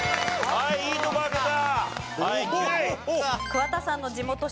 いいとこ開けた。